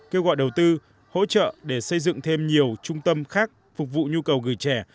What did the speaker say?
kêu gọi đầu tư hỗ trợ để xây dựng thêm nhiều trung tâm khác phục vụ nhu cầu gửi trẻ